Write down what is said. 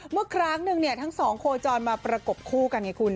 เมื่อครั้งหนึ่งทั้งสองโคจรมาประกบคู่กันไงคุณ